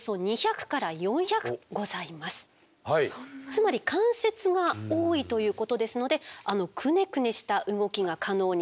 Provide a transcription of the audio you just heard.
つまり関節が多いということですのであのクネクネした動きが可能になるわけですね。